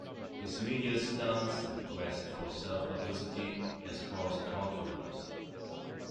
His media stunts and quest for self-publicity has caused controversy.